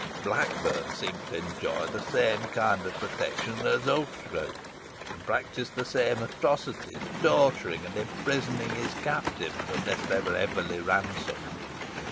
Blackburn seemed to enjoy the same kind of protection as Ughtred, and practised the same atrocities, torturing and imprisoning his captives unless they were heavily ransomed.